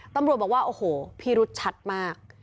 ตำรวจบอกว่าโอ้โหพิรุษชัดมาก